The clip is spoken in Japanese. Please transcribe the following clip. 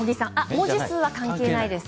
文字数は関係ないです。